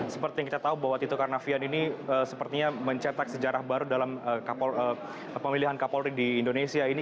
seperti yang kita tahu bahwa tito karnavian ini sepertinya mencetak sejarah baru dalam pemilihan kapolri di indonesia ini